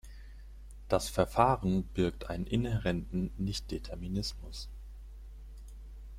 Das Verfahren birgt einen inhärenten Nichtdeterminismus.